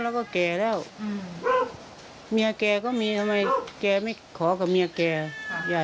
แล้วก็่แล้วอืมแม่แก่ก็มีทำไมแก่ไม่ขอกับแม่แก่ว่า